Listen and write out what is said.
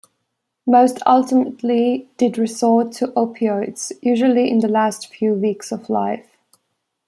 Most ultimately did resort to opioids, usually in the last few weeks of life.